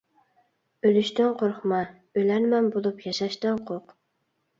ئۆلۈشتىن قورقما، ئۆلەرمەن بولۇپ ياشاشتىن قورق.